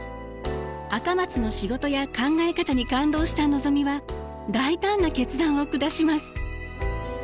赤松の仕事や考え方に感動したのぞみは大胆な決断を下します。